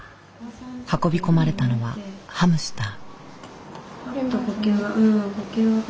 運び込まれたのはハムスター。